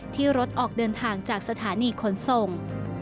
ที่รถออกเดินทางจากสถานีขนส่ง